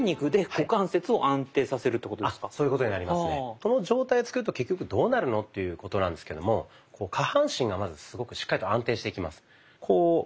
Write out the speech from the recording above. その状態を作ると結局どうなるのっていうことなんですけども下半身がまずすごくしっかりと安定してきます。